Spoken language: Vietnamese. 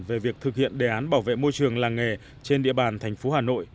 về việc thực hiện đề án bảo vệ môi trường làng nghề trên địa bàn thành phố hà nội